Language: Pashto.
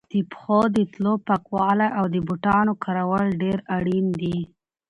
د پښو د تلو پاکوالی او د بوټانو کارول ډېر اړین دي.